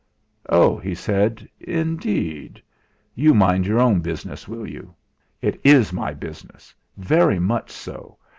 "Oh!" he said; "indeed! You mind your own business, will you?" "It is my business very much so.